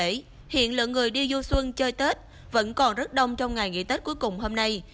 vì hiện lượng người đi du xuân chơi tết vẫn còn rất đông trong ngày nghỉ tết cuối cùng hôm nay